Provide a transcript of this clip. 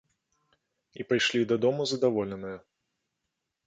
І пайшлі дадому задаволеныя.